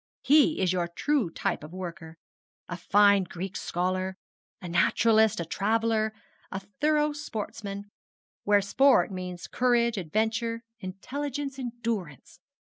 He is your true type of worker a fine Greek scholar a naturalist, a traveller, a thorough sportsman, where sport means courage, adventure, intelligence, endurance.